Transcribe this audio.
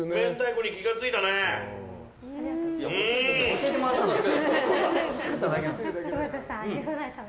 教えてもらったんでしょ。